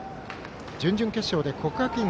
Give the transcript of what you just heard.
準々決勝で国学院